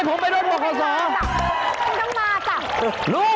สวัสดีค่ะคุณลุง